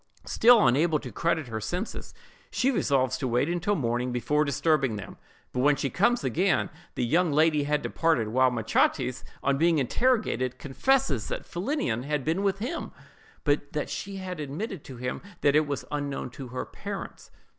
Still unable to credit her senses, she resolves to wait till morning before disturbing them; but when she comes again the young lady had departed; while Machates, on being interrogated, confesses that Philinnion had been with him, but that she had admitted to him that it was unknown to her parents.